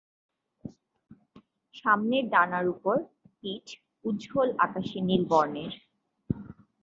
সামনের ডানার ওপর পিঠ উজ্জ্বল আকাশী নীল বর্নের।